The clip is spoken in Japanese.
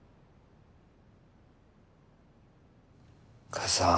「母さん。